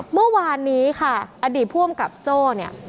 เมื่อวานนี้ค่ะอดีตผู้อำกับโจ้เนี่ย